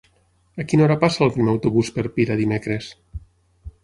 A quina hora passa el primer autobús per Pira dimecres?